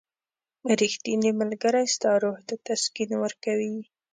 • ریښتینی ملګری ستا روح ته تسکین ورکوي.